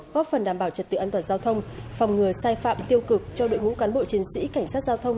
góp phần đảm bảo trật tự an toàn giao thông phòng ngừa sai phạm tiêu cực cho đội ngũ cán bộ chiến sĩ cảnh sát giao thông